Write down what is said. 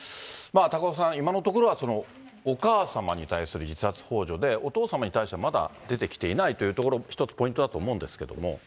高岡さん、今のところはお母様に対する自殺ほう助で、お父様に対してはまだ出てきていないというところ、１つポイントだと思うんですけども。